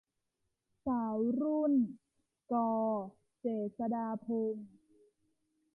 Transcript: สาวรุ่น - ก เจษฎาพงศ์